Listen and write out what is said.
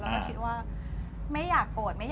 แล้วก็คิดว่าไม่อยากโกรธ